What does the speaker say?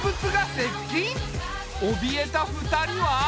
おびえた２人は。